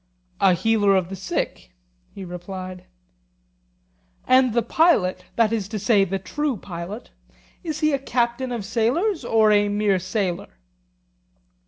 A healer of the sick, he replied. And the pilot—that is to say, the true pilot—is he a captain of sailors or a mere sailor?